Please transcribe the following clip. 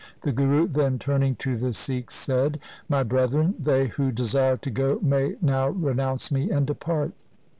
The Guru then turning to the Sikhs said, ' My brethren, they who desire to go may now renounce me and depart.'